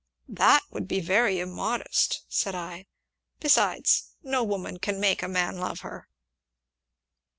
"That would be very immodest!" said I; "besides, no woman can make a man love her."